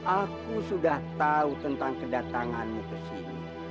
aku sudah tahu tentang kedatanganmu ke sini